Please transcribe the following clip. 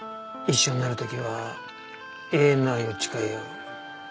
一緒になる時は永遠の愛を誓い合う。